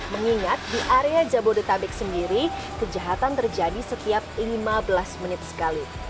mengingat di area jabodetabek sendiri kejahatan terjadi setiap lima belas menit sekali